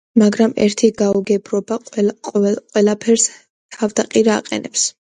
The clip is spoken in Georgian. მაგრამ ერთი გაუგებრობა ყველაფერს თავდაყირა აყენებს.